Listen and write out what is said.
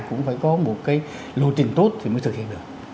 cũng phải có một cái lộ trình tốt thì mới thực hiện được